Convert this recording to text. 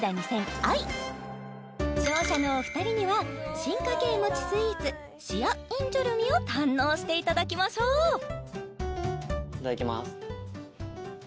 愛勝者のお二人には進化系もちスイーツシアッインジョルミを堪能していただきましょういただきまーす